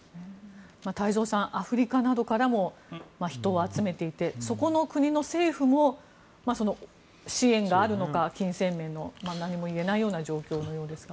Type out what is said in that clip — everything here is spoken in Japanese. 太蔵さんアフリカなどからも人を集めていてそこの国の政府も援助があるのか金銭面何も言えないような状況ですが。